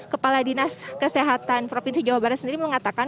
kepala dinas kesehatan provinsi jawa barat sendiri mengatakan